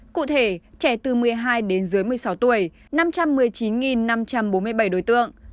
cụ thể trẻ từ một mươi hai đến dưới một mươi sáu tuổi năm trăm một mươi chín năm trăm bốn mươi bảy đối tượng